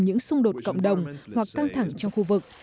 những xung đột cộng đồng hoặc căng thẳng trong khu vực